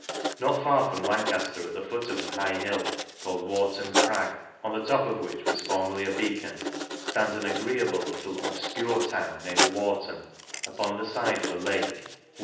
Not far from Lancafter^ at the foot of an high hill, called Warton Crag (on the top of which was for merly a beacon) Hands an agreeable little obfcure town named TFharton, upon the fide of a lake/where LANCASHIRE.